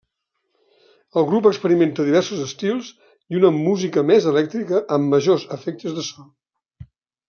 El grup experimenta diversos estils i una música més elèctrica amb majors efectes de so.